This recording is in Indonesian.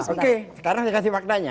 oke sekarang saya kasih faktanya